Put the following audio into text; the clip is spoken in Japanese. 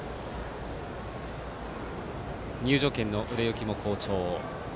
入場券の売れ行きも好調。